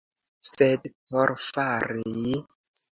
Sed por fari...